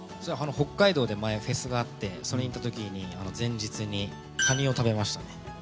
北海道で前、フェスがあってそれに行った時に前日に、カニを食べました。